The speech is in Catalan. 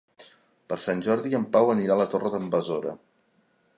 Per Sant Jordi en Pau anirà a la Torre d'en Besora.